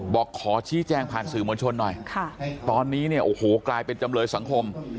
บอกขอชี้แจงผ่านสื่อมวลชนหน่อยตอนนี้เนี่ยโอ้โหกลายเป็นจำเลยสังคม